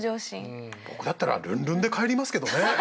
僕だったらルンルンで帰りますけどね。